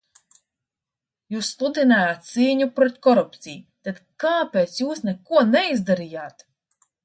Jūs sludinājāt cīņu pret korupciju, tad kāpēc jūs neko neizdarījāt?